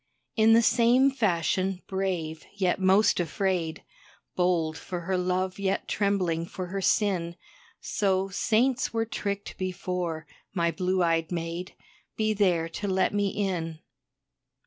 In the same fashion, brave, yet most afraid, Bold for her love yet trembling for her sin So, Saints were tricked before. My blue eyed maid, Be there to let me in.